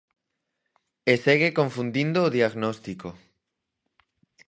E segue confundindo o diagnóstico.